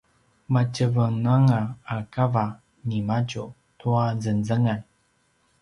matjevenganga a kava nimadju tua zengzengan